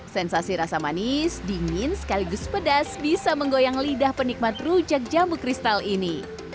sensasi rasa manis dingin sekaligus pedas bisa menggoyang lidah penikmat rujak jambu kristal ini